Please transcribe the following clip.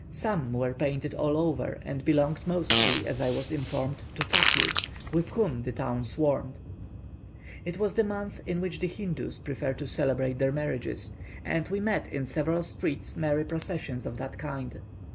Some were painted all over, and belonged mostly, as I was informed, to fakirs, with whom the town swarmed. It was the month in which the Hindoos prefer to celebrate their marriages, and we met in several streets merry processions of that kind.